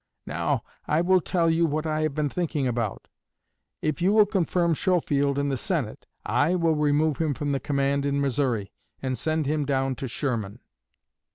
Now, I will tell you what I have been thinking about. If you will confirm Schofield in the Senate, I will remove him from the command in Missouri and send him down to Sherman.